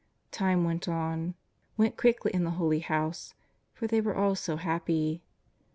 Time went on, went quickly in the Holy House, for they were all so happy.